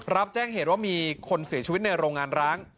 รับแจ้งเหตุว่ามีคนเสียชีวิตในโรงงานร้าง